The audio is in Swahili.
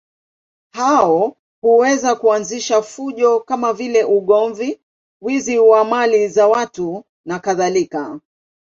Hao huweza kuanzisha fujo kama vile ugomvi, wizi wa mali za watu nakadhalika.